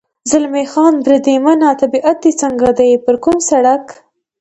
زلمی خان: بریدمنه، طبیعت دې څنګه دی؟ پر کوم سړک.